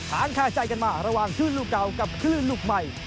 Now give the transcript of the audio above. คาใจกันมาระหว่างคลื่นลูกเก่ากับคลื่นลูกใหม่